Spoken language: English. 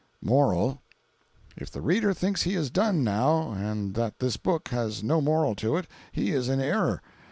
MORAL. If the reader thinks he is done, now, and that this book has no moral to it, he is in error.